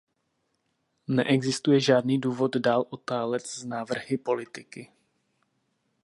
Neexistuje žádný důvod dál otálet s návrhy politiky.